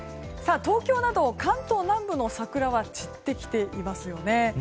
東京など関東南部の桜は散ってきていますよね。